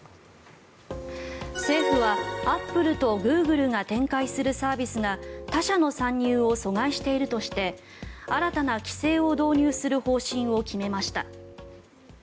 政府はアップルとグーグルが展開するサービスが他社の参入を疎外しているとして新たな規制を導入する方針を決めました。